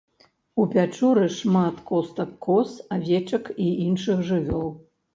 У пячоры шмат костак коз, авечак і іншых жывёл.